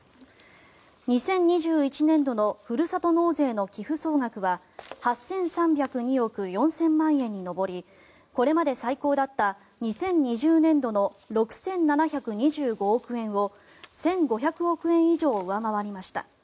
２０２１年度のふるさと納税の寄付総額は８３０２億４０００万円に上りこれまで最高だった２０２０年度の６７２５億円を１５００円以上上回りました。